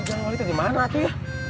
tuh jalan wali itu gimana tuh ya